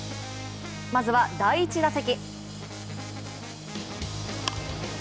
まずは第１打席。